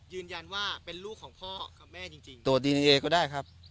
ยืนยันว่าเป็นลูกของพ่อกับแม่จริงตรวจดีเอนเอก็ได้ครับ